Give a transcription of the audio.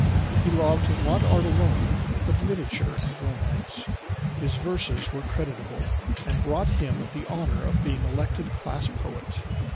He loved not art alone, but literature and romance. His verses were creditable, and brought him the honor of being elected class poet.